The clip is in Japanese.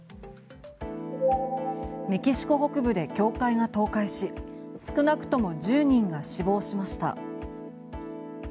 メキシコ北部で教会が倒壊し少なくとも１０人が死亡しました。